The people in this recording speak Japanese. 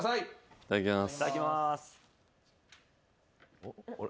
いただきます。